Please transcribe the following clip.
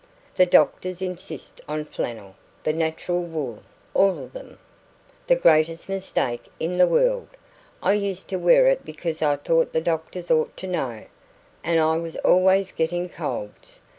"The doctors insist on flannel the natural wool all of them." "The greatest mistake in the world. I used to wear it because I thought the doctors ought to know, and I was always getting colds.